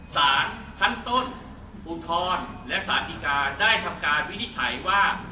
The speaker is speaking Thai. สารชั้นต้นอุทธรณ์และสารดีกาได้ทำการวินิจฉัยว่า